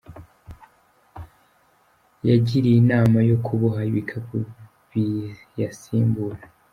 Yigiriye inama yo kuboha ibikapu biyasimbura.